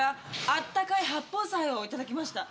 あったかい八宝菜をいただきました。